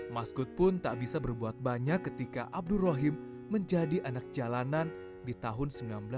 maskud pun tak bisa berbuat banyak ketika abdul rohim menjadi anak jalanan di tahun seribu sembilan ratus sembilan puluh